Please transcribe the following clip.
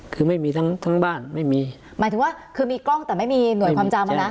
คือไม่มีทั้งทั้งบ้านไม่มีหมายถึงว่าคือมีกล้องแต่ไม่มีหน่วยความจำอ่ะนะ